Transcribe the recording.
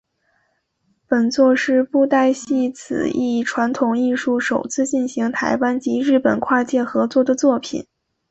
本作是布袋戏此一传统艺术首次进行台湾及日本跨界合作的作品。